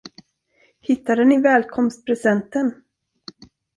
Hittade ni välkomstpresenten?